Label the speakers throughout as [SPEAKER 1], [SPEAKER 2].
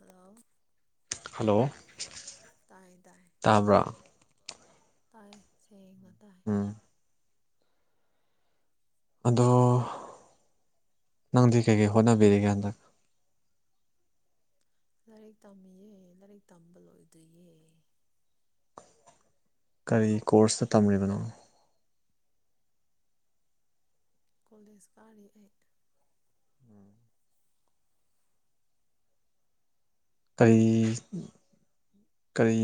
[SPEAKER 1] Hello
[SPEAKER 2] hello
[SPEAKER 1] ꯇꯥꯏꯌꯦ ꯇꯥꯏꯌꯦ
[SPEAKER 2] ꯇꯥꯕ꯭ꯔꯥ
[SPEAKER 1] ꯇꯥꯏ ꯁꯦ ꯉ ꯇꯥꯏ
[SPEAKER 2] ꯎꯝ ꯑꯗꯣ ꯅꯪꯗꯤ ꯀꯩꯀꯩ ꯍꯣꯠꯅꯕꯤꯔꯤꯒꯦ ꯍꯟꯗꯛ
[SPEAKER 1] ꯂꯥꯏꯔꯤꯛ ꯇꯝꯃꯤꯑ ꯂꯥꯏꯔꯤꯛ ꯇꯝꯕ ꯂꯣꯏꯗꯣꯏꯌꯦ
[SPEAKER 2] ꯀꯔꯤ ꯀꯣꯔꯁꯇ ꯇꯝꯂꯤꯕꯅꯣ
[SPEAKER 1] ꯀꯣꯂꯦꯖ ꯀꯥꯔꯤ ꯑꯩ
[SPEAKER 2] ꯀꯔꯤ ꯀꯔꯤ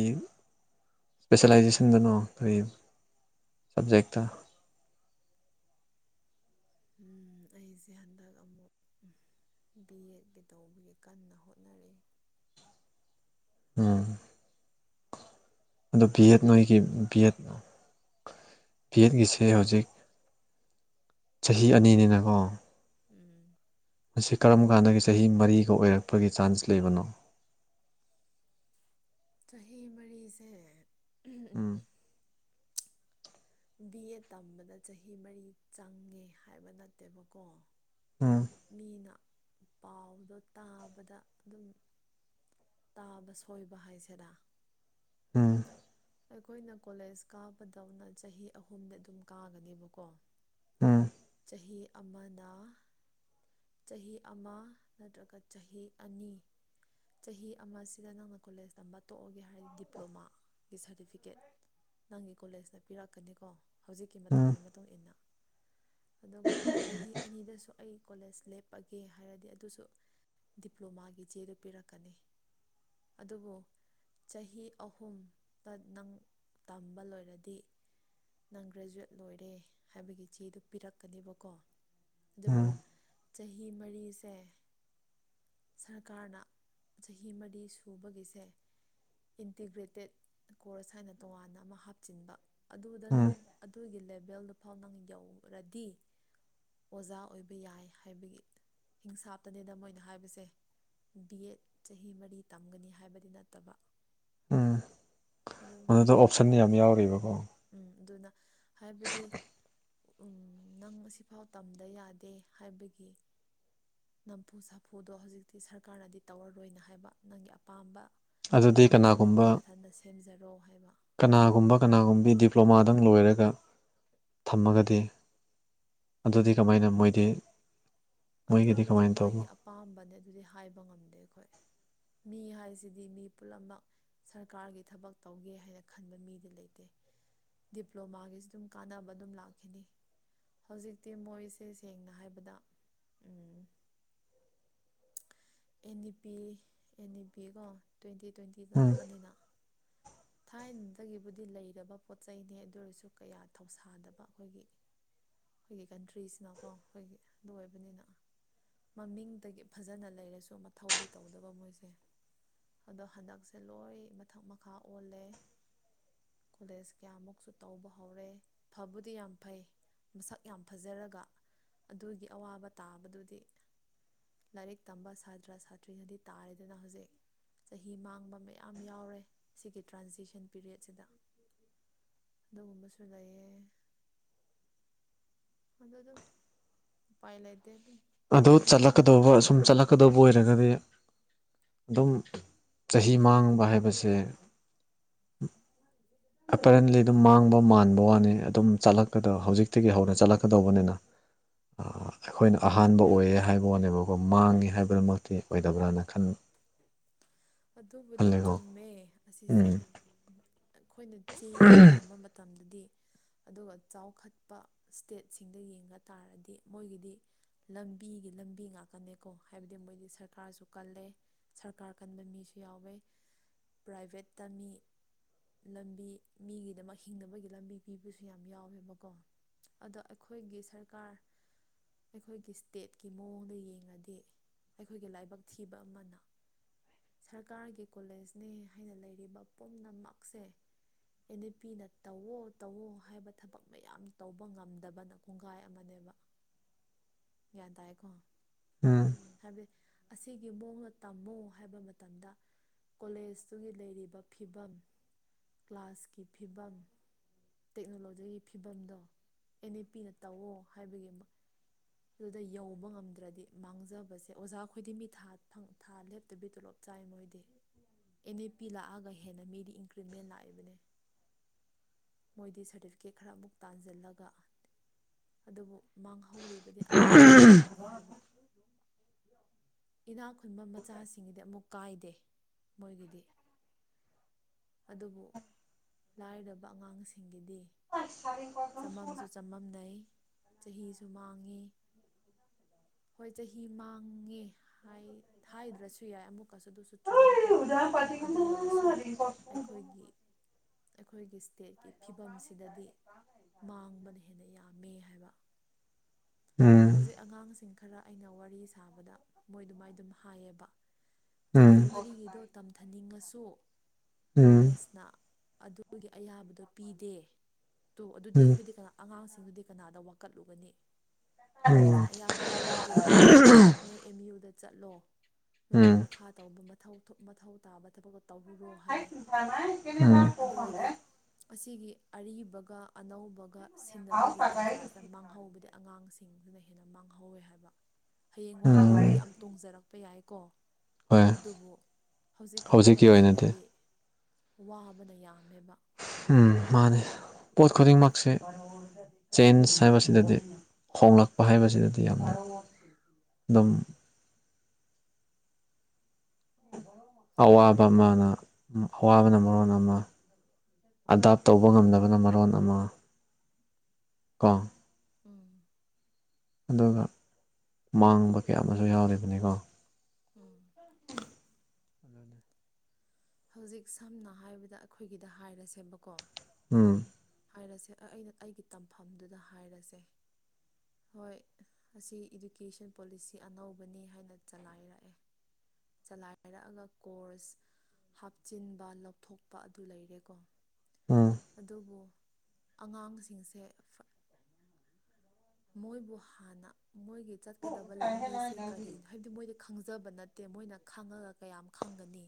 [SPEAKER 2] ꯏꯁꯄꯦꯁꯦꯂꯥꯏꯖꯦꯁꯟꯗꯅꯣ ꯀꯔꯤ ꯁꯕꯖꯦꯛꯛꯇ
[SPEAKER 1] ꯎꯝ ꯑꯩꯁꯦ ꯍꯟꯗꯛ ꯑꯃꯨꯛ ꯕꯤ ꯑꯦꯗꯀꯤ ꯇꯧꯕꯒꯤ ꯀꯟꯅ ꯍꯣꯠꯅꯔꯤ
[SPEAKER 2] ꯎꯝ ꯑꯗꯣ ꯕꯤ ꯑꯦꯠ ꯅꯣꯏꯒꯤ ꯕꯤ ꯑꯦꯠ ꯕꯤ ꯑꯦꯠꯀꯤꯁꯦ ꯍꯧꯖꯤꯛ ꯆꯍꯤ ꯑꯅꯤꯅꯤꯅꯀꯣ
[SPEAKER 1] ꯎꯝ
[SPEAKER 2] ꯃꯁꯤ ꯀꯔꯝ ꯀꯥꯟꯗꯒꯤ ꯆꯍꯤ ꯃꯔꯤꯒ ꯑꯣꯏꯔꯛꯄꯒꯤ ꯆꯥꯟꯁ ꯂꯩꯕꯅꯣ
[SPEAKER 1] ꯆꯍꯤ ꯃꯔꯤꯁꯦ
[SPEAKER 2] ꯎꯝ
[SPEAKER 1] ꯕꯤ ꯑꯦ ꯇꯝꯕꯗ ꯆꯍꯤ ꯃꯔꯤ ꯆꯪꯉꯦ ꯍꯥꯏꯕ ꯅꯠꯇꯦꯕꯀꯣ
[SPEAKER 2] ꯎꯝ
[SPEAKER 1] ꯃꯤꯅ ꯄꯥꯎꯗꯣ ꯇꯥꯕꯗ ꯑꯗꯨꯝ ꯇꯥꯕ ꯁꯣꯏꯕ ꯍꯥꯏꯁꯤꯦꯔ
[SPEAKER 2] ꯎꯝ
[SPEAKER 1] ꯑꯩꯈꯣꯏꯅ ꯀꯣꯂꯦꯖ ꯀꯥꯕꯗꯧꯅ ꯆꯍꯤ ꯑꯍꯨꯝꯗ ꯑꯗꯨꯝ ꯀꯥꯒꯅꯦꯕꯀꯣ
[SPEAKER 2] ꯎꯝ
[SPEAKER 1] ꯆꯍꯤ ꯑꯃꯅ ꯆꯍꯤ ꯑꯃ ꯅꯠꯇ꯭ꯔꯒ ꯆꯍꯤ ꯑꯅꯤ ꯆꯍꯤ ꯑꯃꯁꯤꯗ ꯅꯪꯅ ꯀꯣꯂꯦꯖ ꯇꯝꯕ ꯇꯣꯛꯑꯒꯦ ꯍꯥꯏꯔꯗꯤ ꯗꯤꯄ꯭ꯂꯣꯃꯥꯒꯤ ꯁꯥꯔꯇꯤꯐꯤꯀꯦꯠ ꯅꯪꯒꯤ ꯀꯣꯂꯦꯖꯅ ꯄꯤꯔꯛꯀꯅꯤꯀꯣ ꯍꯧꯖꯤꯛꯀꯤ ꯃꯇꯝꯒꯤ ꯃꯇꯨꯡ ꯏꯟꯅ ꯑꯗꯨꯒ ꯆꯍꯤ ꯑꯅꯤꯗꯁꯨ ꯑꯩ ꯀꯣꯂꯦꯖ ꯂꯦꯞꯑꯒꯦ ꯍꯥꯏꯔꯗꯤ ꯑꯗꯨꯁꯨ ꯗꯤꯄ꯭ꯂꯣꯃꯥꯒꯤ ꯆꯦꯗ ꯄꯤꯔꯛꯀꯅꯤ ꯑꯗꯨꯕꯨ ꯆꯍꯤ ꯑꯍꯨꯝꯗ ꯅꯪ ꯇꯝꯕ ꯂꯣꯏꯔꯗꯤ ꯅꯪ ꯒ꯭ꯔꯦꯖꯨꯋꯦꯠ ꯂꯣꯏꯔꯦ ꯍꯥꯏꯕꯒꯤ ꯆꯦꯗꯨ ꯄꯤꯔꯛꯀꯅꯦꯕꯀꯣ ꯑꯗꯨꯕꯨ
[SPEAKER 2] ꯎꯝ ꯎꯝ
[SPEAKER 1] ꯆꯍꯤ ꯃꯔꯤꯁꯦ ꯁꯔꯀꯥꯔꯅ ꯆꯍꯤ ꯃꯔꯤ ꯁꯨꯕꯒꯤꯁꯦ ꯏꯟꯇꯤꯒ꯭ꯔꯦꯇꯦꯠ ꯀꯣꯔꯁ ꯍꯥꯏꯅ ꯇꯣꯉꯥꯟꯅ ꯑꯃ ꯍꯥꯞꯆꯤꯟꯕ ꯑꯗꯨꯗ
[SPEAKER 2] ꯎꯝ
[SPEAKER 1] ꯅꯪ ꯑꯗꯨꯒꯤ ꯂꯦꯕꯦꯜꯗꯨ ꯐꯥꯎ ꯅꯪ ꯌꯧꯔꯗꯤ ꯑꯣꯖꯥ ꯑꯣꯏꯕ ꯌꯥꯏ ꯍꯥꯏꯕꯒꯤ ꯍꯤꯡꯁꯥꯞꯇꯅꯦꯗ ꯃꯣꯏꯅ ꯍꯥꯏꯕꯁꯦ ꯕꯤ ꯑꯦꯠ ꯆꯍꯤ ꯃꯔꯤ ꯇꯝꯒꯅꯤ ꯍꯥꯏꯕꯗꯤ ꯅꯠꯇꯕ
[SPEAKER 2] ꯎꯝ
[SPEAKER 1] ꯑꯗꯣ
[SPEAKER 2] ꯑꯗꯨꯗ
[SPEAKER 1] ꯐꯅꯦꯗ
[SPEAKER 2] ꯑꯣꯞꯁꯟ ꯌꯥꯝ ꯌꯥꯎꯔꯤꯕꯀꯣ
[SPEAKER 1] ꯎꯝ ꯑꯗꯨꯅ ꯍꯥꯏꯕꯗꯤ ꯎ ꯅꯪ ꯉꯐꯥꯎ ꯇꯝꯗ ꯌꯥꯗꯦ ꯍꯥꯏꯕꯒꯤ ꯅꯝꯐꯨ ꯁꯥꯐꯨꯗꯣ ꯍꯧꯖꯤꯛꯇꯤ ꯁꯔꯀꯥꯔꯅꯗꯤ ꯇꯧꯔꯔꯣꯏꯅ ꯍꯥꯏꯕ ꯅꯪꯒꯤ ꯑꯄꯥꯝꯕ
[SPEAKER 2] ꯑꯗꯨꯗꯤ
[SPEAKER 1] ꯂꯝꯕꯤꯗꯨ ꯅꯪ
[SPEAKER 2] ꯀꯅꯥꯒꯨꯝꯕ
[SPEAKER 1] ꯉꯟꯅꯊꯟꯗ ꯁꯦꯝꯖꯔꯣ ꯍꯥꯏꯕ
[SPEAKER 2] ꯀꯅꯥꯒꯨꯝꯕ ꯀꯅꯥꯒꯨꯝꯕꯕꯤ ꯗꯤꯄ꯭ꯂꯣꯃꯥꯗꯪ ꯂꯣꯏꯔꯒ ꯊꯝꯃꯒꯗꯤ ꯑꯗꯨꯗꯤ ꯀꯃꯥꯏꯅ ꯃꯣꯏꯗꯤ ꯃꯣꯏꯒꯤꯗꯤ
[SPEAKER 1] ꯑꯗꯨꯕꯨꯗꯤ
[SPEAKER 2] ꯀꯃꯥꯏꯅ ꯇꯧꯕ
[SPEAKER 1] ꯃꯣꯏꯒꯤ ꯑꯄꯥꯝꯕꯅꯦ ꯑꯗꯨꯗꯤ ꯍꯥꯏꯕ ꯉꯝꯗꯦ ꯑꯩꯈꯣꯏ ꯃꯤ ꯍꯥꯏꯁꯤꯗꯤ ꯃꯤ ꯄꯨꯨꯝꯂꯃꯛ ꯁꯔꯀꯥꯔꯒꯤ ꯊꯕꯛ ꯇꯧꯒꯦ ꯍꯥꯏꯅ ꯈꯟꯕ ꯃꯤꯗꯤ ꯂꯩꯇꯦ ꯗꯤꯄ꯭ꯂꯣꯃꯥꯒꯤꯁꯨ ꯑꯗꯨꯝ ꯀꯥꯟꯅꯕ ꯑꯗꯨꯝ ꯂꯥꯛꯈꯤꯅꯤ ꯍꯧꯖꯤꯛꯇꯤ ꯃꯣꯏꯁꯦ ꯁꯦꯡꯅ ꯍꯥꯏꯕꯗ ꯎꯝ N E P N E P ꯀꯣ ꯇ꯭ꯋꯦꯟꯇꯤ ꯇ꯭ꯋꯦꯟꯇꯤ
[SPEAKER 2] ꯎꯝ
[SPEAKER 1] ꯂꯥꯛꯄꯅꯤꯅ ꯊꯥꯏꯅꯗꯒꯤꯕꯨꯗꯤ ꯂꯩꯔꯕ ꯄꯣꯠ ꯆꯩꯩꯅꯤ ꯑꯗꯨ ꯑꯣꯏꯔꯁꯨ ꯀꯌꯥ ꯊꯧꯁꯥꯗꯕ ꯑꯩꯈꯣꯏꯒꯤ ꯑꯩꯈꯣꯏꯒꯤ ꯀꯟꯇ꯭ꯔꯤꯁꯤꯅꯀꯣ ꯑꯩꯈꯣꯏꯒꯤ ꯑꯗꯨ ꯑꯣꯏꯕꯅꯤꯅ ꯃꯃꯤꯡꯗꯒꯤ ꯐꯖꯅ ꯂꯩꯔꯁꯨ ꯃꯊꯧꯗꯤ ꯇꯧꯗꯕ ꯃꯣꯏꯁꯦ ꯑꯗꯣ ꯍꯟꯗꯛꯁꯦ ꯂꯣꯏ ꯃꯊꯛ ꯃꯈꯥ ꯑꯣꯜꯂꯦ ꯀꯣꯂꯦꯖ ꯀꯌꯥꯃꯨꯛꯁꯨ ꯇꯧꯕ ꯍꯧꯔꯦ ꯐꯕꯨꯗꯤ ꯌꯥꯝ ꯐꯩ ꯃꯁꯛ ꯌꯥꯝ ꯐꯖꯔꯒ ꯑꯗꯨꯒꯤ ꯑꯋꯥꯕ ꯇꯥꯕꯗꯨꯗꯤ ꯂꯥꯏꯔꯤꯛ ꯇꯝꯕ ꯁꯥꯇ꯭ꯔ ꯁꯥꯇ꯭ꯔꯤꯅꯗꯤ ꯇꯥꯔꯦꯗꯅ ꯍꯧꯖꯤꯛ ꯆꯍꯤ ꯃꯥꯡꯕ ꯃꯌꯥꯝ ꯌꯥꯎꯔꯦ ꯁꯤꯒꯤ ꯇ꯭ꯔꯥꯟꯖꯦꯛꯁꯟ ꯄꯤꯔꯤꯌꯠꯁꯤꯗ ꯑꯗꯨꯒꯨꯝꯕꯁꯨ ꯂꯩꯌꯦ ꯑꯗꯣ ꯑꯗꯨꯝ ꯎ ꯄꯥꯏ ꯂꯩꯇꯦ ꯑꯗꯨꯝ
[SPEAKER 2] ꯑꯗꯨ ꯆꯠꯂꯛꯀꯗꯧꯕ ꯁꯨꯝ ꯆꯠꯂꯛꯀꯗꯧꯕ ꯑꯣꯏꯔꯒꯗꯤ ꯑꯗꯨꯝ ꯆꯍꯤ ꯃꯥꯡꯕ ꯍꯥꯏꯕꯁꯦ ꯑꯦꯄꯦꯔꯦꯟꯂꯤ ꯑꯗꯨꯝ ꯃꯥꯡꯕ ꯃꯥꯟꯕ ꯋꯥꯅꯤ ꯑꯗꯨꯝ ꯆꯠꯂꯛ ꯗ ꯍꯧꯖꯤꯛꯇꯒꯤ ꯍꯧꯅ ꯆꯠꯂꯛꯀꯗꯧꯕꯅꯤꯅ ꯑꯩꯈꯣꯏꯅ ꯑꯍꯥꯟꯕ ꯑꯣꯏꯌꯦ ꯍꯥꯏꯕ ꯋꯥꯅꯦꯕꯀꯣ ꯃꯥꯡꯉꯦ ꯍꯥꯏꯕꯗꯨꯃꯛꯇꯤ ꯑꯣꯏꯗꯕ꯭ꯔꯅ ꯈꯟ
[SPEAKER 1] ꯑꯗꯨꯕꯨꯗꯤ
[SPEAKER 2] ꯈꯜꯂꯦꯀꯣ
[SPEAKER 1] ꯆꯨꯝꯃꯦ
[SPEAKER 2] ꯎꯝ
[SPEAKER 1] ꯑꯁꯤꯁꯦ ꯑꯩꯈꯣꯏꯅ ꯆꯦꯗ ꯌꯦꯡꯕ ꯃꯇꯝꯗꯗꯤ ꯑꯗꯨꯒ ꯆꯥꯎꯈꯠꯄ ꯁ꯭ꯇꯦꯠꯁꯤꯡꯗ ꯌꯦꯡꯕ ꯇꯥꯔꯗꯤ ꯃꯣꯏꯒꯤꯗꯤ ꯂꯝꯕꯤꯒꯤ ꯂꯝꯕꯤ ꯉꯥꯛꯀꯅꯦꯀꯣ ꯍꯥꯏꯕꯗꯤ ꯃꯣꯏꯗꯤ ꯁꯔꯀꯥꯔꯁꯨ ꯀꯜꯂꯦ ꯁꯔꯀꯥꯔ ꯀꯟꯕ ꯃꯤꯁꯨ ꯌꯥꯎꯋꯦ ꯄ꯭ꯔꯥꯏꯚꯦꯠꯇ ꯃꯤ ꯂꯝꯕꯤ ꯃꯤꯒꯤꯗꯃꯛ ꯍꯤꯡꯅꯕꯒꯤ ꯂꯝꯕꯤ ꯄꯤꯕꯁꯨ ꯌꯥꯝ ꯌꯥꯎꯋꯦꯕꯀꯣ ꯑꯗꯣ ꯑꯩꯈꯣꯏꯒꯤ ꯁꯔꯀꯥꯔ ꯑꯩꯈꯣꯏꯒꯤ ꯁ꯭ꯇꯦꯠꯀꯤ ꯃꯑꯣꯡꯗ ꯌꯦꯡꯉꯗꯤ ꯑꯩꯈꯣꯏꯒꯤ ꯂꯥꯏꯕꯛ ꯊꯤꯕ ꯑꯃꯅ ꯁꯔꯀꯥꯔꯒꯤ ꯀꯣꯂꯦꯖꯅꯦ ꯍꯥꯏꯅ ꯂꯩꯔꯤꯕ ꯄꯨꯝꯅꯃꯛꯁꯦ ꯑꯦꯟ ꯑꯦ ꯄꯤꯅ ꯇꯧꯋꯣ ꯇꯧꯋꯣ ꯍꯥꯏꯕ ꯊꯕꯛ ꯃꯌꯥꯝ ꯇꯧꯕ ꯉꯝꯗꯕꯅ ꯈꯣꯡꯒꯥꯏ ꯑꯃꯅꯦꯕ
[SPEAKER 2] [inaudible]
[SPEAKER 1] ꯌꯥ ꯇ ꯑꯏꯀꯣ
[SPEAKER 2] ꯎꯝ
[SPEAKER 1] ꯍꯥꯏꯕꯗꯤ ꯑꯁꯤꯒꯤ ꯃꯑꯣꯡꯗ ꯇꯝꯃꯣ ꯍꯥꯏꯕ ꯃꯇꯝꯗ ꯀꯣꯂꯦꯖꯇꯨꯒꯤ ꯂꯩꯔꯤꯕ ꯐꯤꯕꯝ ꯀ꯭ꯂꯥꯁꯀꯤ ꯐꯤꯕꯝ ꯇꯦꯛꯅꯣꯂꯣꯖꯤꯒꯤ ꯐꯤꯕꯝꯗꯣ ꯑꯦꯟ ꯑꯦ ꯄꯤꯅ ꯇꯧꯋ ꯍꯥꯏꯕꯒꯤ ꯑꯗꯨꯗ ꯌꯧꯕ ꯉꯝꯗ꯭ꯔꯗꯤ ꯃꯥꯡꯖꯕꯁꯦ ꯑꯣꯖꯥꯈꯣꯏꯗꯤ ꯃꯤ ꯊꯥ ꯊꯥ ꯂꯦꯞꯇꯕꯤ ꯇꯣꯂꯣꯞ ꯆꯥꯏ ꯃꯣꯏꯗꯤ ꯑꯦꯟ ꯑꯦ ꯄꯤ ꯂꯥꯛꯑꯒ ꯍꯦꯟꯅ ꯃꯤꯗꯤ ꯏꯟꯀ꯭ꯔꯤꯃꯦꯟ ꯂꯥꯛꯏꯕꯅꯦ ꯃꯣꯏꯗꯤ ꯁꯥꯔꯇꯤꯐꯤꯀꯦꯠ ꯈꯔ ꯑꯃꯨꯛ ꯇꯥꯟꯁꯤꯜꯂꯒ ꯑꯗꯨꯕꯨ ꯃꯥꯡꯍꯧꯔꯤꯕꯗꯤ ꯑꯉꯥꯡꯅ ꯃꯥꯡꯉꯤ ꯍꯥꯏꯕ ꯏꯅꯥꯛ ꯈꯨꯟꯕ ꯃꯆꯥꯁꯤꯡꯒꯤꯗꯤ ꯑꯃꯨꯛ ꯀꯥꯏꯗꯦ ꯃꯣꯏꯒꯤꯗꯤ ꯑꯗꯨꯕꯨ ꯂꯥꯏꯔꯕ ꯑꯉꯥꯡꯁꯤꯡꯒꯤꯗꯤ
[SPEAKER 2] ꯑ ꯁꯔ
[SPEAKER 1] ꯆꯃꯝꯁꯨ ꯆꯃꯝꯅꯩ ꯆꯍꯤꯁꯨ ꯃꯥꯡꯉꯤ ꯍꯣꯏ ꯆꯍꯤ ꯃ ꯍꯪꯉꯦ ꯍꯥꯏꯗ꯭ꯔꯁꯨ ꯌꯥꯏ ꯑꯃꯨꯛꯀꯁꯨ ꯑꯗꯨꯁꯨ ꯆꯨꯝꯃꯦꯀꯣ ꯑꯗꯨ ꯑꯣꯏꯔꯁꯨ ꯑꯩꯈꯣꯏꯒꯤ ꯑꯩꯈꯣꯏꯒꯤ ꯁ꯭ꯇꯦꯠꯀꯤ ꯐꯤꯕꯝꯁꯤꯗꯗꯤ ꯃꯥꯡꯕꯅ ꯍꯦꯟꯅ ꯌꯥꯝꯃꯦ ꯍꯥꯏꯕ
[SPEAKER 2] ꯎꯝ
[SPEAKER 1] ꯍꯧꯖꯤꯛ ꯑꯉꯥꯡꯁꯤꯡ ꯈꯔ ꯑꯩꯅ ꯋꯥꯔꯤ ꯁꯥꯕꯗ ꯃꯣꯏ ꯑꯗꯨꯃꯥꯏ ꯑꯗꯨꯝ ꯍꯥꯏꯌꯦꯕ
[SPEAKER 2] ꯎꯝ
[SPEAKER 1] ꯆꯍꯤ ꯃꯔꯤꯒꯤꯗꯣ ꯇꯝꯊꯅꯤꯡꯉꯁꯨ
[SPEAKER 2] ꯎꯝ
[SPEAKER 1] ꯀꯣꯂꯦꯖꯅ ꯑꯗꯨꯒꯤ ꯑꯌꯥꯕꯗꯣ ꯄꯤꯗꯦ ꯇꯨ ꯑꯗꯨꯗꯤ
[SPEAKER 2] ꯎꯝ
[SPEAKER 1] ꯑꯩꯈꯣꯏꯗꯤ ꯀꯅꯥ ꯑꯉꯥꯡꯁꯤꯡꯒꯤꯗꯨ ꯀꯅꯥꯗ ꯋꯥꯀꯠꯂꯨꯒꯅꯤ
[SPEAKER 2] ꯎꯝ
[SPEAKER 1] ꯀꯣꯂꯦꯖꯅ ꯑꯌꯥꯕꯗꯨ ꯄꯤꯗꯦ ꯅꯣꯏ ꯑꯦꯝ ꯌꯨꯗ ꯆꯠꯂꯣ ꯅꯣꯏꯒꯤ ꯃꯈꯥ__ ꯇꯧꯕ ꯃꯊꯧ ꯊꯨꯞ ꯃꯊꯧ ꯇꯥꯕ ꯊꯕꯛꯇꯣ ꯇꯧꯔꯨꯔꯣ ꯍꯥꯏꯌꯦ
[SPEAKER 2] ꯎꯝ ꯎꯝ
[SPEAKER 1] ꯑꯗꯨ ꯑꯣꯏꯔꯗꯤ ꯑꯁꯤꯒꯤ ꯑꯔꯤꯕꯒ ꯑꯅꯧꯕꯒ ꯁꯤꯟꯅꯕꯒꯤ ꯇꯥꯟꯖꯥꯁꯤꯗ ꯃꯥꯡꯍꯧꯕꯗꯤ ꯑꯉꯥꯡꯁꯤꯡ ꯁꯤꯡꯁꯤꯅ ꯍꯦꯟꯅ ꯃꯥꯡꯍꯧꯋꯦ ꯍꯥꯏꯕ
[SPEAKER 2] ꯎꯝ
[SPEAKER 1] ꯍꯌꯦꯡꯋꯥꯏꯕꯨꯗꯗꯤ ꯌꯥꯝ ꯇꯣꯡꯖꯔꯛꯄ ꯌꯥꯏꯌꯦꯀꯣ
[SPEAKER 2] ꯍꯣꯏ
[SPEAKER 1] ꯑꯗꯨꯕꯨ ꯍꯧꯖꯤꯛꯀꯤ ꯐꯤꯕꯝꯁꯤꯗꯗꯤ ꯋꯥꯕꯅ ꯌꯥꯝꯃꯦꯕ
[SPEAKER 2] ꯎꯝ ꯃꯥꯅꯦ ꯄꯣꯠ ꯈꯨꯗꯤꯡꯃꯛꯁꯦ ꯆꯦꯟꯖ ꯍꯥꯏꯕꯁꯤꯗꯗꯤ ꯍꯣꯡꯂꯛꯄ ꯍꯥꯏꯕꯁꯤꯗꯗꯤ ꯌꯥꯝꯅ ꯑꯗꯨꯝ ꯑꯋꯥꯕ ꯑꯃꯅ ꯎꯝ ꯑꯋꯥꯕꯅ ꯃꯔꯣꯟ ꯑꯃ ꯑꯗꯥꯞ ꯇꯧꯕ ꯉꯝꯅꯕꯅ ꯃꯔꯣꯟ ꯑꯃ ꯀꯣ
[SPEAKER 1] ꯎꯝ
[SPEAKER 2] ꯑꯗꯨꯅ ꯃꯥꯡꯕ ꯀꯌꯥ ꯑꯃꯁꯨ ꯌꯥꯎꯔꯤꯕꯅꯦꯀꯣ
[SPEAKER 1] ꯎꯝ
[SPEAKER 2] [unintelligible]
[SPEAKER 1] ꯍꯧꯖꯤꯛ ꯁꯝꯅ ꯍꯥꯏꯕꯗ ꯑꯩꯈꯣꯏꯒꯤꯗ ꯍꯥꯏꯔꯁꯦꯕꯀꯣ
[SPEAKER 2] ꯎꯝ
[SPEAKER 1] ꯍꯥꯏꯔꯁꯦ ꯑ ꯑꯩꯅ ꯑꯩꯒꯤ ꯇꯝꯐꯝꯗꯨꯗ ꯍꯥꯏꯔꯁꯦ ꯍꯣꯏ ꯑꯁꯤ ꯏꯗꯨꯀꯦꯁꯟ ꯄꯣꯂꯤꯁꯤ ꯑꯅꯧꯕꯅꯤ ꯍꯥꯏꯅ ꯆꯂꯥꯏꯔꯛꯑꯦ ꯆꯂꯥꯏꯔꯛꯑꯒ ꯀꯣꯔꯁ ꯍꯥꯞꯆꯤꯟꯕ ꯂꯧꯊꯣꯛꯄ ꯑꯗꯨ ꯂꯩꯔꯦꯀꯣ
[SPEAKER 2] ꯎꯝ
[SPEAKER 1] ꯑꯗꯨꯕꯨ ꯑꯉꯥꯡꯁꯤꯡꯁꯦ ꯑꯐ ꯃꯣꯏꯕꯨ ꯍꯥꯟꯅ ꯃꯣꯏꯒꯤ ꯆꯠꯀꯗꯕ ꯂꯝꯕꯤꯁꯦ ꯀꯔꯤꯅ__ ꯍꯥꯏꯕꯗꯤ ꯃꯣꯏꯗ ꯈꯪꯖꯕ ꯅꯠꯇꯦ ꯃꯣꯏꯅ ꯈꯥꯡꯉꯒ ꯀꯌꯥꯝ ꯈꯪꯒꯅꯤ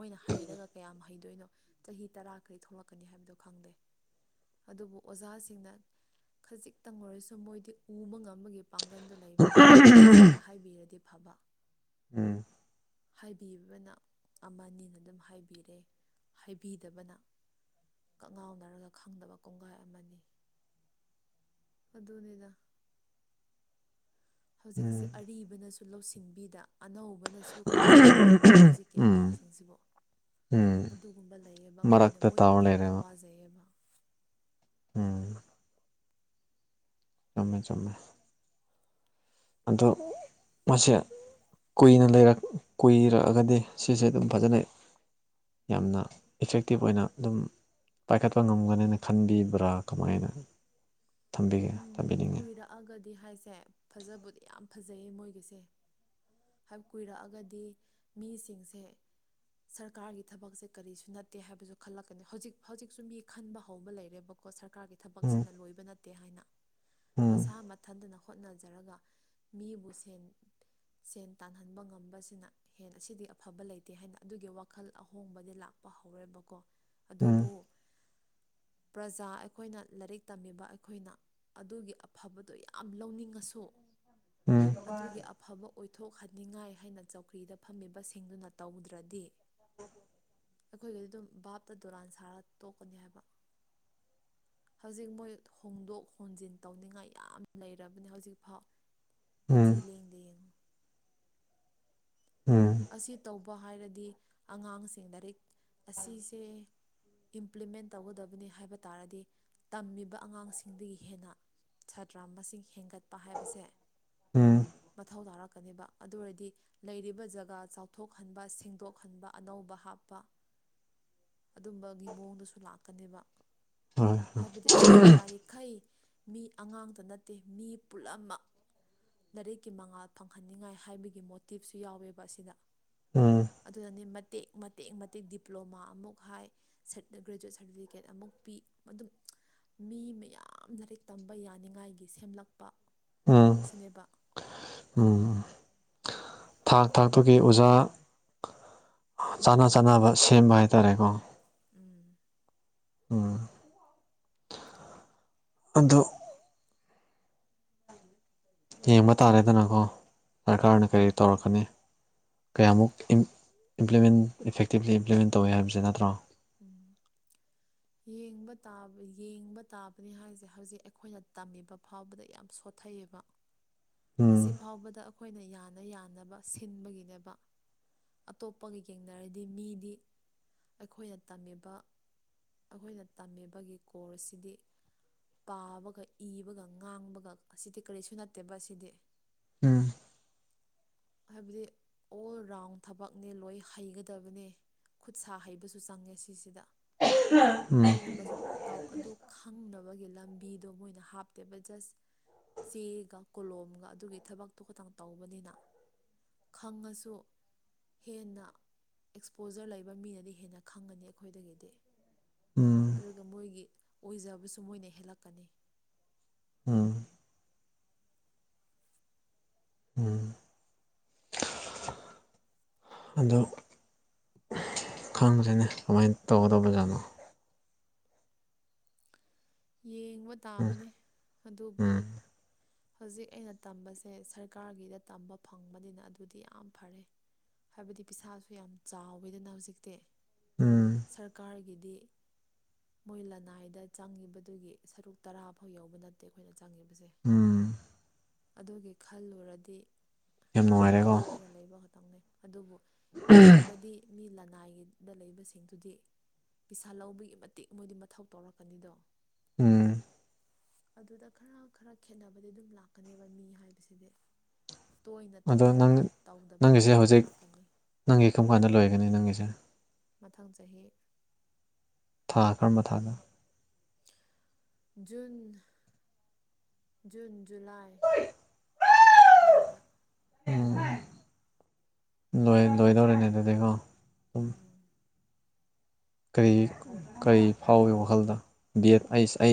[SPEAKER 1] ꯃꯣꯏꯅ ꯍꯩꯔꯒ ꯀꯌꯥꯝ ꯍꯩꯗꯣꯏꯅꯣ ꯆꯍꯤ ꯇꯔꯥ ꯀꯔꯤ ꯊꯣꯛꯂꯛꯀꯅꯤ ꯍꯥꯏꯕꯗꯣ ꯈꯪꯗꯦ ꯑꯗꯨꯕꯨ ꯑꯣꯖꯥꯁꯤꯡꯅ ꯈꯖꯤꯛꯇꯪ ꯑꯣꯏꯔꯁꯨ ꯃꯣꯏꯗꯤ ꯎꯕ ꯉꯝꯃꯒꯤ ꯄꯥꯡꯒꯟꯗꯣ ꯂꯩꯕꯅꯤꯅ ꯑꯉꯥꯡꯁꯤꯡꯗ ꯍꯥꯏꯕꯤꯔꯗꯤ ꯐꯕ
[SPEAKER 2] ꯎꯝ
[SPEAKER 1] ꯍꯥꯏꯕꯤꯕꯅ ꯑꯃꯅꯤꯅ ꯑꯗꯨꯝ ꯍꯥꯏꯕꯤꯔꯦ ꯍꯥꯏꯕꯤꯗꯕꯅ ꯀꯛꯉꯥꯎꯅꯔꯒ ꯈꯪꯗꯕ ꯀꯣꯡꯒꯥꯏ ꯑꯃꯅꯤ ꯑꯗꯨꯅꯤꯗ ꯍꯧꯖꯤꯛꯁꯦ
[SPEAKER 2] ꯎꯝ
[SPEAKER 1] ꯑꯔꯤꯕꯅꯁꯨ ꯂꯧꯁꯤꯟꯕꯤꯗ ꯑꯅꯧ__ ꯅꯁꯨ ꯀꯌꯥ ꯂꯧꯅꯤꯡꯗ ꯍꯧꯖꯤꯛꯀꯤ
[SPEAKER 2] ꯎꯝ
[SPEAKER 1] ꯑꯉꯥꯡꯁꯤꯡꯁꯤꯕꯨ
[SPEAKER 2] ꯎꯝ
[SPEAKER 1] ꯑꯗꯨꯒꯨꯝꯕ ꯂꯩꯌꯦꯕ ꯃꯣꯏꯅ
[SPEAKER 2] ꯃꯔꯛꯇ
[SPEAKER 1] ꯃꯣꯏ
[SPEAKER 2] ꯇꯥꯎꯔ
[SPEAKER 1] ꯃꯊꯟꯅ
[SPEAKER 2] ꯂꯩꯔꯦꯕ
[SPEAKER 1] ꯋꯥꯖꯩꯌꯦꯕ
[SPEAKER 2] ꯎꯝ ꯆꯨꯝꯃꯦ ꯆꯨꯝꯃꯦ ꯑꯗꯣ ꯃꯁꯦ ꯀꯨꯏꯅ ꯂꯩꯔꯛ ꯀꯨꯏꯔꯛꯑꯒꯗꯤ ꯁꯤꯁꯦ ꯑꯗꯨꯝ ꯐꯖꯅꯤ ꯌꯥꯝꯅ ꯏꯐꯦꯛꯇꯤꯞ ꯑꯣꯏꯅ ꯑꯗꯨꯝ ꯄꯥꯏꯈꯠꯄ ꯉꯝꯒꯅꯦꯅ ꯈꯟꯕꯤꯕ꯭ꯔꯥ ꯀꯃꯥꯏꯅ ꯊꯝꯕꯤꯒꯦ ꯊꯝꯕꯤꯅꯤꯡꯉꯤ
[SPEAKER 1] ꯑꯒꯗꯤ ꯍꯥꯏꯁꯦ ꯐꯖꯕꯨꯗꯤ ꯌꯥꯝ ꯐꯖꯩꯌꯦ ꯃꯣꯏꯒꯤꯁꯦ ꯍꯥꯏꯕ ꯀꯨꯏꯔꯛꯑꯒꯗꯤ ꯃꯤꯁꯤꯡꯁꯦ ꯁꯔꯀꯥꯔꯒꯤ ꯊꯕꯛꯁꯦ ꯀꯔꯤꯁꯨ ꯅꯠꯇꯦ ꯍꯥꯏꯕꯁꯨ ꯈꯜꯂꯛꯀꯅꯤ ꯍꯧꯖꯤꯛ ꯍꯧꯖꯤꯛꯁꯨ ꯃꯤ ꯈꯟꯕ ꯍꯧꯕ ꯂꯩꯔꯦꯕ ꯀꯣ ꯁꯔꯀꯥꯔꯒꯤ
[SPEAKER 2] ꯎꯝ
[SPEAKER 1] ꯊꯕꯛꯁꯤꯅ ꯂꯣꯏꯕ ꯅꯠꯇꯦ ꯍꯥꯏꯅ ꯃꯁꯥ
[SPEAKER 2] ꯎꯝ
[SPEAKER 1] ꯃꯠ__ ꯊꯟꯗꯅ ꯍꯣꯠꯅꯖꯔꯒ ꯃꯤꯕꯨ ꯁꯦꯟ ꯁꯦꯟ ꯇꯥꯟꯍꯟꯕ ꯉꯝꯕꯁꯤꯅ ꯍꯦꯟꯅ ꯑꯁꯤꯗꯤ ꯑꯐꯕ ꯂꯩꯇꯦ ꯍꯥꯏꯅ ꯑꯗꯨꯒꯤ ꯋꯥꯈꯜ ꯑꯍꯣꯡꯕꯗꯤ ꯂꯥꯛꯄ ꯍꯧꯔꯦꯕꯀꯣ ꯑꯗꯨꯕꯨ
[SPEAKER 2] ꯎꯝ
[SPEAKER 1] ꯄ꯭ꯔꯖꯥ ꯑꯩꯈꯣꯏꯅ ꯂꯥꯏꯔꯤꯛ ꯇꯝꯃꯤꯕ ꯑꯩꯈꯣꯏꯅ ꯑꯗꯨꯒꯤ ꯑꯐꯕꯗꯣ ꯌꯥꯝ ꯂꯧꯅꯤꯡꯉꯁꯨ
[SPEAKER 2] ꯎꯝ
[SPEAKER 1] ꯑꯗꯨꯒꯤ ꯑꯐꯕ ꯑꯣꯏꯊꯣꯛꯍꯅꯤꯡꯉꯥꯏ ꯍꯥꯏꯅ ꯆꯧꯀ꯭ꯔꯤꯗ ꯐꯝꯃꯤꯕꯁꯤꯡꯗꯨꯅ ꯇꯧꯗ꯭ꯔꯗꯤ
[SPEAKER 2] [inaudible]
[SPEAKER 1] ꯑꯩꯈꯣꯏꯒꯗꯤ ꯑꯗꯨꯝ ꯚꯥꯞꯇ ꯗꯗꯨꯔꯥꯟ ꯁꯥꯔ ꯇꯣꯛꯀꯅꯤ ꯍꯥꯏꯕ
[SPEAKER 2] [inaudible]
[SPEAKER 1] ꯍꯧꯖꯤꯛ ꯃꯣꯏ ꯍꯣꯡꯗꯣꯛ ꯍꯣꯟꯖꯤꯟ ꯇꯧꯅꯤꯡꯉꯥꯏ ꯌꯥꯝ ꯂꯩꯔꯕꯅꯤ ꯍꯧꯖꯤꯛꯐꯥꯎ
[SPEAKER 2] ꯎꯝ
[SPEAKER 1] ꯃꯆꯤ ꯂꯦꯡꯗꯦ ꯌꯦꯡꯉꯨ
[SPEAKER 2] ꯎꯝ
[SPEAKER 1] ꯑꯁꯤ ꯇꯧꯕ ꯍꯥꯏꯔꯗꯤ ꯑꯉꯥꯡꯁꯤꯡ ꯂꯥꯏꯔꯤꯛ ꯑꯁꯤꯁꯦ ꯏꯝꯄ꯭ꯂꯤꯃꯦꯟ ꯇꯧꯒꯗꯕꯅꯤ ꯍꯥꯏꯕ ꯇꯥꯔꯗꯤ ꯇꯝꯃꯤꯕ ꯑꯉꯥꯡꯁꯤꯡꯗꯒꯤ ꯍꯦꯟꯅ ꯁꯥꯇ꯭ꯔ ꯃꯁꯤꯡ ꯍꯦꯟꯒꯠꯄ ꯍꯥꯏꯕꯁꯦ
[SPEAKER 2] ꯎꯝ
[SPEAKER 1] ꯃꯊꯧ ꯇꯥꯔꯛꯀꯅꯦꯕ ꯑꯗꯨ ꯑꯣꯏꯔꯗꯤ ꯂꯩꯔꯤꯕ ꯖꯒ ꯒ ꯆꯥꯎꯊꯣꯛꯍꯟꯕ ꯁꯦꯡꯗꯣꯛꯍꯟꯕ ꯑꯅꯧꯕ ꯍꯥꯞꯄ ꯑꯗꯨꯝꯕꯒꯤ ꯃꯑꯣꯡꯗꯁꯨ ꯂꯥꯛꯀꯅꯦꯕ
[SPEAKER 2] ꯍꯣꯏ
[SPEAKER 1] ꯍꯥꯏꯕꯗꯤ ꯑꯁꯤꯁꯦ ꯌꯥꯔꯤ ꯈꯩ ꯃꯤ ꯑꯉꯥꯡꯇ ꯅꯠꯇꯦ ꯃꯤ ꯄꯨꯝꯅꯃꯛ ꯂꯥꯏꯔꯤꯛꯀꯤ ꯃꯉꯥꯜ ꯐꯪꯍꯟꯅꯤꯡꯉꯥꯏ ꯍꯥꯏꯕꯒꯤ ꯃꯣꯇꯤꯞꯁꯨ ꯌꯥꯎꯋꯦꯕ ꯑꯁꯤꯗ
[SPEAKER 2] ꯎꯝ
[SPEAKER 1] ꯑꯗꯨꯅꯗꯤ ꯃꯇꯦꯛ ꯃꯇꯦꯛ ꯃꯇꯦꯛ ꯗꯤꯄ꯭ꯂꯣꯃꯥ ꯑꯃꯨꯛ ꯍꯥꯏ ꯒ꯭ꯔꯦꯖꯨꯋꯦꯠ ꯁꯥꯔꯇꯤꯐꯤꯀꯦꯠ ꯑꯃꯨꯛ ꯄꯤ ꯑꯗꯨꯝ ꯃꯤ ꯃꯌꯥꯝ ꯂꯥꯏꯔꯤꯛ ꯇꯝꯕ ꯌꯥꯅꯤꯡꯉꯥꯏꯒꯤ ꯁꯦꯝꯂꯛꯄ
[SPEAKER 2] ꯑ
[SPEAKER 1] ꯁꯤꯅꯦꯕ
[SPEAKER 2] ꯎꯝ ꯊꯥꯛ ꯊꯥꯛꯇꯨꯒꯤ ꯑꯣꯖꯥ ꯆꯥꯅ ꯆꯥꯅꯕ ꯁꯦꯝꯕ ꯍꯥꯏꯇꯥꯔꯦꯀꯣ
[SPEAKER 1] [unintelligible] ꯎꯝ
[SPEAKER 2] ꯎꯝ ꯑꯗꯣ
[SPEAKER 1] [unintelligible]
[SPEAKER 2] ꯌꯦꯡꯕ ꯇꯥꯔꯦꯗꯅꯀꯣ ꯁꯔꯀꯥꯔꯅ ꯀꯔꯤ ꯇꯧꯔꯛꯀꯅꯤ ꯀꯌꯥꯃꯨꯛ ꯏꯝ ꯏꯝꯄ꯭ꯂꯤꯃꯦꯟ ꯏꯐꯦꯛꯇꯤꯕꯂꯤ ꯇꯧꯋꯦ ꯍꯥꯏꯕꯁꯦ ꯅꯠꯇ꯭ꯔꯣ
[SPEAKER 1] ꯎꯝ
[SPEAKER 2] [inaudible]
[SPEAKER 1] ꯌꯦꯡꯕ ꯇꯥ ꯌꯦꯡꯕ ꯇꯥꯕꯅꯤ ꯍꯥꯏꯁꯦ ꯍꯧꯖꯤꯛ ꯑꯩꯈꯣꯏꯅ ꯇꯝꯃꯤꯕ ꯐꯥꯎꯕꯗ ꯌꯥꯝ ꯁꯣꯊꯩꯌꯦꯕ
[SPEAKER 2] ꯎꯝ
[SPEAKER 1] ꯑꯁꯤ ꯐꯥꯎꯕꯗ ꯑꯩꯈꯣꯏꯅ ꯌꯥꯅ ꯌꯥꯅꯕ ꯁꯤꯟꯕꯒꯤꯅꯦꯕ ꯑꯇꯣꯞꯄꯒ ꯌꯦꯡꯅꯔꯗꯤ ꯃꯤꯗꯤ ꯑꯩꯈꯣꯏꯅ ꯇꯝꯃꯤꯕ ꯑꯩꯈꯣꯏꯅ ꯇꯝꯃꯤꯕꯒꯤ ꯀꯣꯔꯁꯁꯤꯗꯤ ꯄꯥꯕꯒ ꯏꯕꯒ ꯉꯥꯡꯕꯒ ꯑꯁꯤꯗꯤ ꯀꯔꯤꯁꯨ ꯅꯠꯇꯦꯕ ꯑꯁꯤꯗꯤ
[SPEAKER 2] ꯎꯝ
[SPEAKER 1] ꯍꯥꯏꯕꯗꯤ ꯑꯣꯜ ꯔꯥꯎꯟ ꯊꯕꯛꯅꯦ ꯂꯣꯏ ꯍꯩꯒꯗꯕꯅꯦ ꯈꯨꯠ ꯁꯥ ꯍꯩꯕꯁꯨ ꯆꯪꯉꯦ ꯁꯤꯁꯤꯗ
[SPEAKER 2] ꯎꯝ
[SPEAKER 1] ꯑꯗꯨꯒꯨꯝꯕꯁꯨ ꯇꯧ ꯑꯗꯨ ꯈꯪꯗꯕꯒꯤ ꯂꯝꯕꯤꯗꯣ ꯃꯣꯏꯅ ꯍꯥꯞꯇꯦꯕ ꯖꯁ ꯆꯦꯒ ꯀꯣꯂꯣꯝꯒ ꯑꯗꯨꯒꯤ ꯊꯕꯛꯇꯣ ꯈꯇꯪ ꯇꯧꯕꯅꯤꯅ ꯈꯪꯉꯁꯨ ꯍꯦꯟꯅ ꯑꯦꯛꯁꯄꯣꯖꯔ ꯂꯩꯕ ꯃꯤꯅꯗꯤ ꯍꯦꯟꯅ ꯈꯪꯒꯅꯤ ꯑꯩꯈꯣꯏꯗꯒꯤꯗꯤ
[SPEAKER 2] ꯎꯝ
[SPEAKER 1] ꯑꯗꯨꯅ ꯃꯣꯏꯒꯤ ꯑꯣꯏꯖꯕꯁꯨ ꯃꯣꯏꯅ ꯍꯦꯜꯂꯛꯀꯅꯤ
[SPEAKER 2] ꯎꯝ ꯎꯝ ꯑꯗꯣ ꯈꯪꯗ꯭ꯔꯦꯅꯦ ꯀꯃꯥꯏꯅ ꯇꯧꯒꯗꯧꯕꯖꯥꯠꯅꯣ
[SPEAKER 1] ꯌꯦꯡꯕ
[SPEAKER 2] ꯎꯝ
[SPEAKER 1] ꯇꯥꯕꯅꯤ ꯑꯗꯨꯕꯨ
[SPEAKER 2] ꯎꯝ
[SPEAKER 1] ꯍꯧꯖꯤꯛ ꯑꯩꯅ ꯇꯝꯕꯁꯦ ꯁꯔꯀꯥꯔꯒꯤꯗ ꯇꯝꯕ ꯐꯪꯕꯅꯤꯅ ꯑꯗꯨꯗꯤ ꯌꯥꯝ ꯐꯔꯦ ꯍꯥꯏꯕꯗꯤ ꯄꯤꯁꯥꯁꯨ ꯌꯥꯝ ꯆꯥꯎꯋꯤꯗꯅ ꯍꯧꯖꯤꯛꯇꯤ
[SPEAKER 2] ꯎꯝ
[SPEAKER 1] ꯁꯔꯀꯥꯔꯒꯤꯗꯤ ꯃꯣꯏ ꯂꯅꯥꯏꯗ ꯆꯪꯉꯤꯕꯗꯨꯒꯤ ꯁꯔꯨꯛ ꯇꯔꯥ ꯐꯥꯎ ꯌꯎꯕ ꯅꯠꯇꯦ ꯑꯩꯈꯣꯏꯅ ꯆꯪꯉꯤꯕꯖꯦ
[SPEAKER 2] ꯎꯝ
[SPEAKER 1] ꯑꯗꯨꯒꯤ ꯈꯜꯂꯨꯔꯗꯤ
[SPEAKER 2] ꯌꯥꯝ ꯅꯨꯡꯉꯥꯏꯔꯦꯀꯣ
[SPEAKER 1] ꯊꯥꯊꯔꯒ ꯂꯩꯕ ꯈꯛꯇꯪꯅꯤ ꯑꯗꯨꯕꯨ ꯍꯦꯟꯕꯗꯤ ꯃꯤ ꯂꯅꯥꯏꯒꯤꯗ ꯂꯩꯕꯁꯤꯡꯗꯨꯗꯤ ꯄꯩꯁꯥ ꯂꯧꯕꯒꯤ ꯃꯇꯤꯛ ꯃꯣꯏꯗꯤ ꯃꯊꯧ ꯇꯧꯔꯛꯀꯅꯤꯗꯣ
[SPEAKER 2] ꯎꯝ
[SPEAKER 1] ꯑꯗꯨꯗ ꯈꯔ ꯈꯔ ꯈꯦꯅꯕꯗꯤ ꯑꯗꯨꯝ ꯂꯥꯛꯀꯅꯦꯕ ꯃꯤ ꯍꯥꯏꯕꯁꯤꯗꯤ꯫ ꯇꯣꯏꯅ
[SPEAKER 2] ꯑꯗꯣ
[SPEAKER 1] ꯇꯧꯕꯒ
[SPEAKER 2] ꯅꯪ
[SPEAKER 1] ꯇꯧꯗꯕꯒꯗꯤ
[SPEAKER 2] ꯅꯪꯒꯤꯁꯦ ꯍꯧꯖꯤꯛ
[SPEAKER 1] ꯈꯦꯠꯅꯔꯛꯀꯅꯤ꯫
[SPEAKER 2] ꯅꯪꯒꯤ ꯀꯔꯝ ꯀꯥꯟꯗ ꯂꯣꯏꯒꯅꯤ ꯅꯪꯒꯤꯁꯦ
[SPEAKER 1] ꯃꯊꯪ ꯆꯍꯤ
[SPEAKER 2] ꯊꯥ ꯀꯔꯝꯕ ꯊꯥꯅꯣ
[SPEAKER 1] ꯖꯨꯟ ꯖꯨꯟ ꯖꯨꯂꯥꯏ
[SPEAKER 2] [unintelligible]
[SPEAKER 1] ꯗꯥꯏꯗ
[SPEAKER 2] ꯎꯝ ꯂꯣꯏ ꯂꯣꯏꯗꯧꯔꯅꯦ ꯑꯗꯨꯗꯤꯀꯣ
[SPEAKER 1] ꯎꯝ
[SPEAKER 2] ꯀꯔꯤ ꯀꯔꯤ ꯐꯥꯎꯏꯤ ꯋꯥꯈꯜꯗ ꯕꯤ ꯑꯦꯗ ꯑꯩ ꯑꯩꯁ